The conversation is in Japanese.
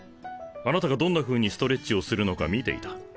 あなたがどんなふうにストレッチをするのか見ていた。